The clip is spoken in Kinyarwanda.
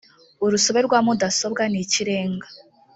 urusobe rwa mudasobwa nikirenga